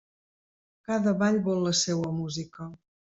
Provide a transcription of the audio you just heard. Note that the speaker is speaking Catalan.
Cada ball vol la seua música.